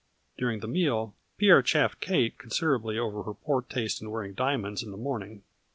During the meal Pierre chaffed Kate considerably over her poor taste in wearing diamonds in the morning.